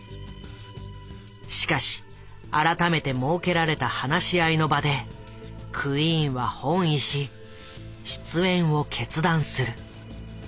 しかし改めて設けられた話し合いの場でクイーンは翻意し出演を決断する。